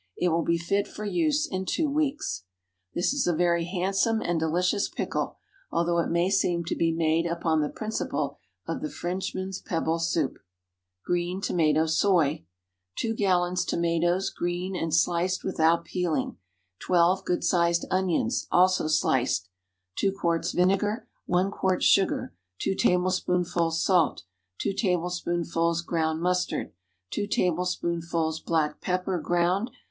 It will be fit for use in two weeks. This is a very handsome and delicious pickle, although it may seem to be made upon the principle of the Frenchman's pebble soup. GREEN TOMATO SOY. ✠ 2 gallons tomatoes, green, and sliced without peeling. 12 good sized onions, also sliced. 2 quarts vinegar. 1 quart sugar. 2 tablespoonfuls salt. 2 tablespoonfuls ground mustard. 2 tablespoonfuls black pepper, ground.